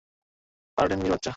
Pardon মির বাচ্চা!